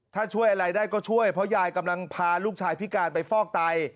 ถ้าช่วยอะไรได้ก็ช่วยเพราะยายกำลังพาลูกชายพิการไปฟอกไต